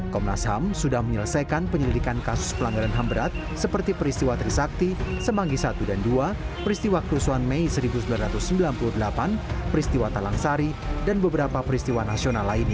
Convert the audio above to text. komnas ham sudah menyelesaikan penyelidikan kasus pelanggaran ham berat seperti ini